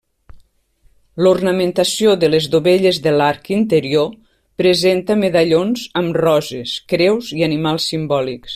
L'ornamentació de les dovelles de l'arc interior presenta medallons amb roses, creus i animals simbòlics.